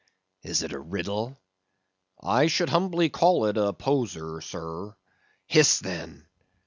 Is't a riddle? I should humbly call it a poser, sir. Hist, then.